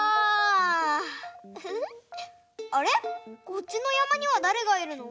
こっちのやまにはだれがいるの？